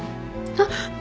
あっ。